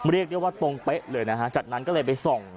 เรียกชาวนั้นว่าตรงเป๊ะจากนั้นก็เลยไปส่ง